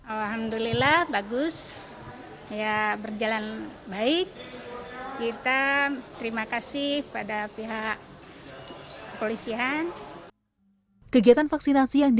alhamdulillah bagus ya berjalan baik kita terima kasih pada pihak kepolisian kegiatan vaksinasi yang di